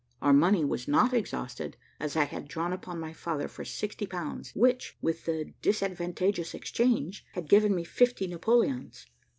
Our money was not exhausted, as I had drawn upon my father for 60 pounds, which, with the disadvantageous exchange, had given me fifty Napoleons.